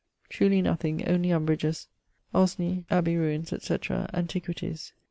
Truly nothing; only umbrages, sc. Osney abbey ruines, etc., antiquities.